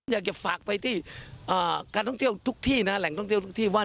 อยากจะฝากไปที่การท่องเที่ยวทุกที่นะแหล่งท่องเที่ยวทุกที่ว่า